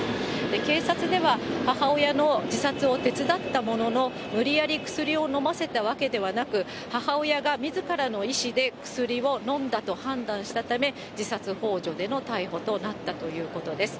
警察では、母親の自殺を手伝ったものの、無理やり薬を飲ませたわけではなく、母親がみずからの意思で薬を飲んだと判断したため、自殺ほう助での逮捕となったということです。